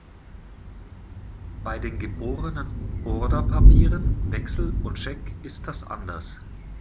Bei den geborenen Orderpapieren Wechsel und Scheck ist das anders.